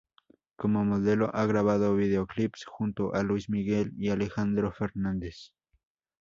Como modelo ha grabado videoclips junto a Luis Miguel y Alejandro Fernández.